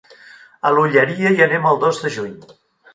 A l'Olleria hi anem el dos de juny.